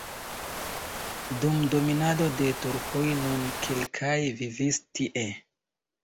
Dum dominado de turkoj nur kelkaj vivis tie.